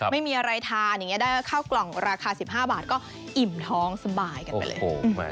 ไม่มีอะไรทานอย่างนี้ได้ข้าวกล่องราคา๑๕บาทก็อิ่มท้องสบายกันไปเลย